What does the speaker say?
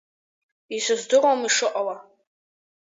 Исыздыруам ишыҟала!